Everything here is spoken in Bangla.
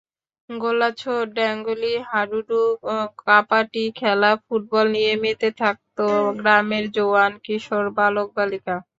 গোল্লাছুট, ডাংগুলি, হাডুডু, কপাটি খেলা, ফুটবল নিয়ে মেতে থাকত গ্রামের জোয়ান-কিশোর, বালক-বালিকা।